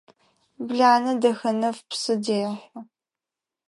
Бланэ Дахэнэф псы дехьы.